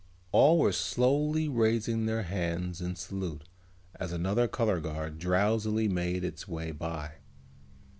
All were slowly raising their hands in salute as another color guard drowsily made its way by.